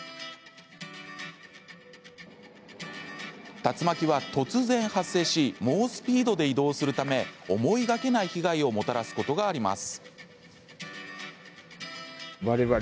竜巻は突然発生し猛スピードで移動するため思いがけない被害をもたらすことがあります。